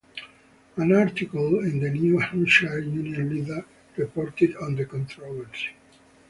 An article in the "New Hampshire Union Leader" reported on the controversy.